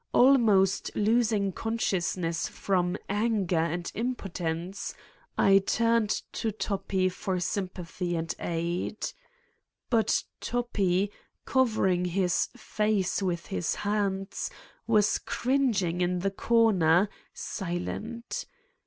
Almost losing consciousness from anger and impotence, I turned to Toppi for sym pathy and aid. But Toppi, covering his face with 255 Satan's Diary his hands, was cringing in the corner, silent.